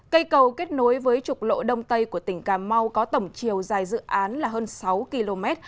cây cầu kết nối với trục lộ đông tây của tỉnh cà mau có tổng chiều dài dự án là hơn sáu km